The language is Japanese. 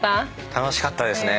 楽しかったですね